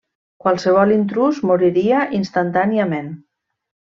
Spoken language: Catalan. Qualsevol intrús moriria instantàniament.